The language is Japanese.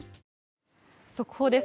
速報です。